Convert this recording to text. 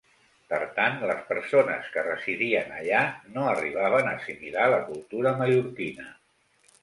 Per tant, les persones que residien allà no arribaven a assimilar la cultura mallorquina.